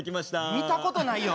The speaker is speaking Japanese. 見たことないよ。